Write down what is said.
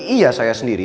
iya saya sendiri